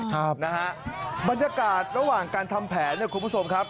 ครับนะฮะบรรยากาศระหว่างการทำแผนเนี่ยคุณผู้ชมครับ